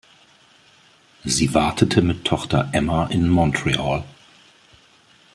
Sie wartete mit Tochter Emma in Montreal.